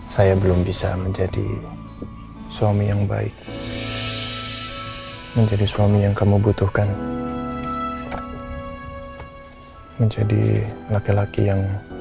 saya belum bisa menjadi suami yang baik menjadi suami yang kamu butuhkan menjadi laki laki yang